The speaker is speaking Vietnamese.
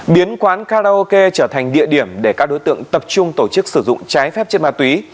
biến quán karaoke trở thành địa điểm để các đối tượng tập trung tổ chức sử dụng trái phép chất ma túy